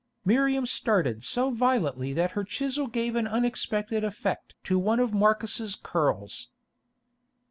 Miriam started so violently that her chisel gave an unexpected effect to one of Marcus's curls.